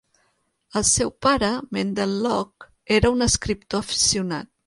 El seu pare, Mendel Locke, era un escriptor aficionat.